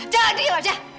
jangan diam aja